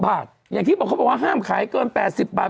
๙๖บาทอย่างที่เขาบอกว่าห้ามขายก่อน๘๐บาท